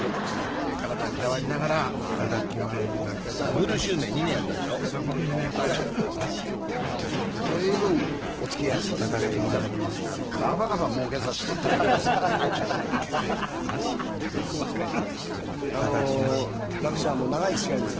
体いたわりながら頑張っていダブル襲名、２年やったでし私もずいぶんおつきあいさせていただきますが、がばがばもうけさせていただきます。